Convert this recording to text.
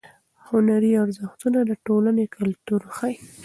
هنري ارزښتونه د ټولنې کلتور ښیي.